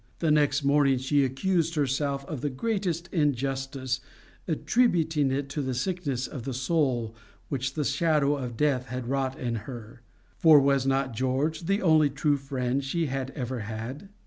The next moment she accused herself of the grossest injustice, attributing it to the sickness of soul which the shadow of death had wrought in her; for was not George the only true friend she had ever had?